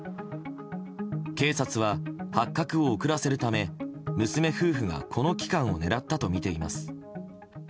警察は発覚を遅らせるため娘夫婦がこの期間を狙ったとみています。